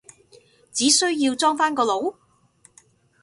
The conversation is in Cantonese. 只需要裝返個腦？